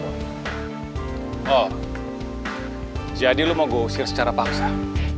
oh jadi lo mau gue usir secara paksa